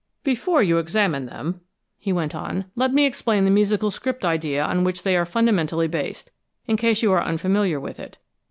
"Before you examine them," he went on, "let me explain the musical script idea on which they are fundamentally based, in case you are unfamiliar with it.